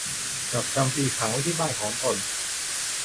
จับจำปีขังไว้ที่บ้านของตน